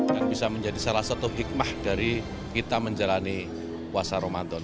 dan bisa menjadi salah satu hikmah dari kita menjalani puasa ramadan